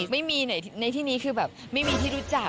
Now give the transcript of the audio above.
ไม่มีในที่นี้คือแบบไม่มีที่รู้จัก